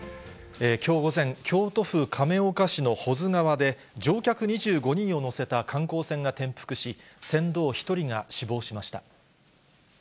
きょう午前、京都府亀岡市の保津川で、乗客２５人を乗せた観光船が転覆し、船頭１人が死亡しました。